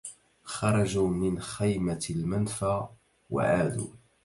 خرجوا من خيمة المنفى, وعادوا